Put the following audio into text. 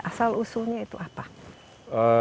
asal usulnya itu apa